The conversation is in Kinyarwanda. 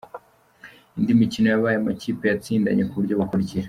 Indi mikino yabaye, amakipe yatsindanye ku buryo bukurikira :.